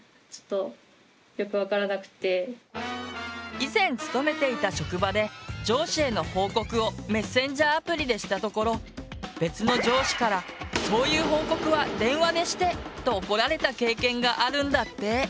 以前勤めていた職場で上司への報告をメッセンジャーアプリでしたところ別の上司から「そういう報告は電話でして！」と怒られた経験があるんだって。